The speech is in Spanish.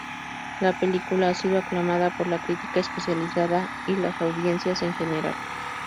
La película ha sido aclamada por la crítica especializada y las audiencias en general.